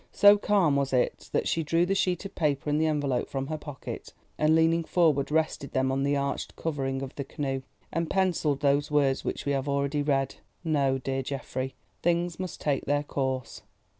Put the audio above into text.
So calm was it that she drew the sheet of paper and the envelope from her pocket, and leaning forward, rested them on the arched covering of the canoe, and pencilled those words which we have already read. "No, dear Geoffrey. Things must take their course.